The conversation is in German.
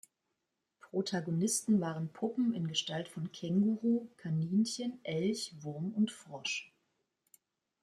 Protagonisten waren Puppen in Gestalt von Känguru, Kaninchen, Elch, Wurm und Frosch.